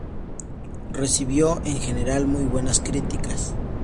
Recibió, en general, muy buenas críticas.